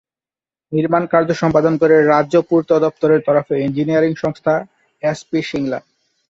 নির্মাণকার্য সম্পাদন করে রাজ্য পূর্ত দপ্তরের তরফে ইঞ্জিনিয়ারিং সংস্থা এস পি শিংলা।